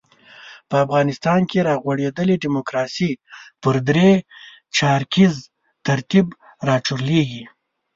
په افغانستان کې را غوړېدلې ډیموکراسي پر درې چارکیز ترکیب راچورلېږي.